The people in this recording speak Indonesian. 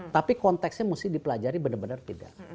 tapi konteksnya mesti dipelajari benar benar tidak